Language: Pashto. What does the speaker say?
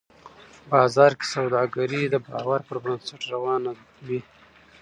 بازار کې سوداګري د باور پر بنسټ روانه وي